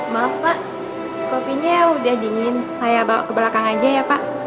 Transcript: maaf pak kopinya udah dingin saya bawa ke belakang aja ya pak